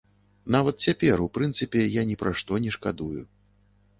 Нават цяпер, у прынцыпе, я ні пра што не шкадую.